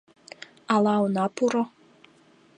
Ала она пуро?